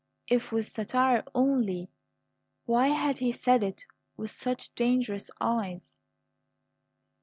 If with satire only, why had he said it with such dangerous eyes?